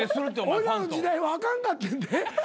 俺らの時代はあかんかってんで。